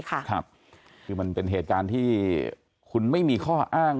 คือมันเป็นเหตุการณ์ที่คุณไม่มีข้ออ้าง